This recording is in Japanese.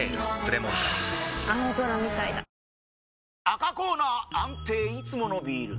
赤コーナー安定いつものビール！